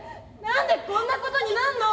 何でこんなことになんの？